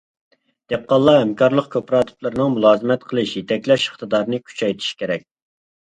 دېھقانلار ھەمكارلىق كوپىراتىپلىرىنىڭ مۇلازىمەت قىلىش، يېتەكلەش ئىقتىدارىنى كۈچەيتىش كېرەك.